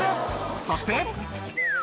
そして。